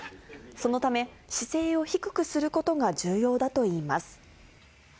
そのため、姿勢を低くすることが重要だといいます。